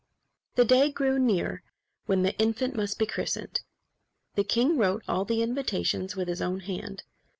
_ The day drew near when the infant must be christened. The king wrote all the invitations with his own hand.